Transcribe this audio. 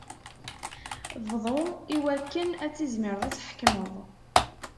Bḍu iwakken ad tizmireḍ ad tḥekmeḍ.